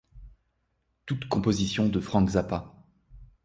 Toutes compositions de Frank Zappa.